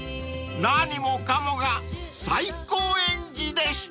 ［何もかもが最高円寺でした］